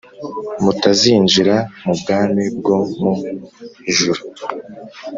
mutazinjira mu bwami bwo mu ijuru.